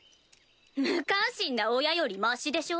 無関心な親よりましでしょ。